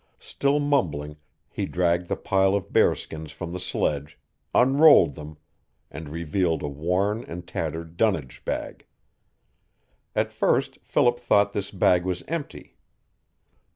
Still mumbling, he dragged the pile of bear skins from the sledge, unrolled them, and revealed a worn and tattered dunnage bag. At first Philip thought this bag was empty.